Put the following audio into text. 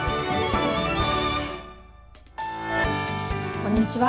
こんにちは。